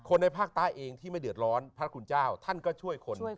ในภาคใต้เองที่ไม่เดือดร้อนพระคุณเจ้าท่านก็ช่วยคน